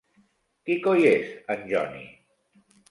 Qui coi és en Johnny?!